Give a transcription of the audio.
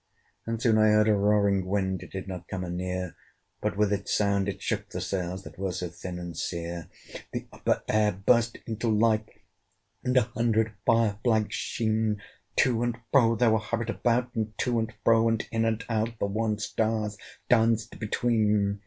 And soon I heard a roaring wind: It did not come anear; But with its sound it shook the sails, That were so thin and sere. The upper air burst into life! And a hundred fire flags sheen, To and fro they were hurried about! And to and fro, and in and out, The wan stars danced between.